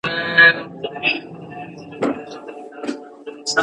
ملالۍ د وطن د غیرت یوه نمونه سوه.